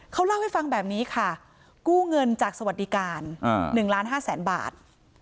เขาเล่าให้ฟังแบบนี้ค่ะกู้เงินจากสวัสดิการ๑ล้าน๕แสนบาท